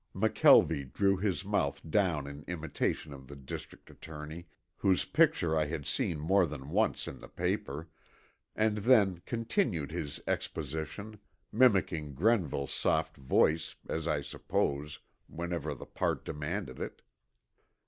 McKelvie drew his mouth down in imitation of the district attorney, whose picture I had seen more than once in the paper, and then continued his exposition, mimicking Grenville's soft voice, as I suppose, whenever the part demanded it.